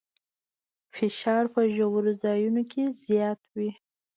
فشار په ژورو ځایونو کې زیات وي.